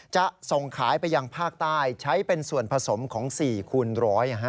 จะส่งขายไปยังภาคใต้ใช้เป็นส่วนผสมของ๔คูณร้อย